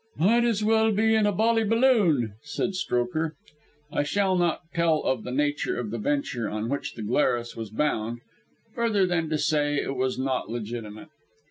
"Might as well be in a bally balloon," said Strokher. I shall not tell of the nature of the venture on which the Glarus was bound, further than to say it was not legitimate.